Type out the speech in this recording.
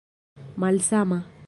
malsama